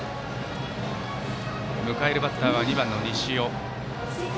迎えるバッターは２番の西尾。